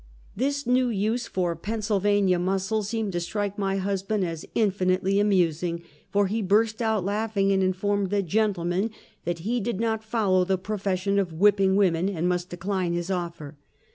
This new use for Pennsylvania muscle seemed to strike my husband as infinitely amusing, for he burst out laughing, and informed the " gentleman " that he did not follow the profession of whipping women, and must decline his offer.